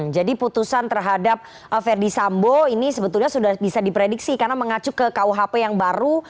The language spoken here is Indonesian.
jadi putusan terhadap verdi sambo ini sebetulnya sudah bisa diprediksi karena mengacu ke kuhp yang baru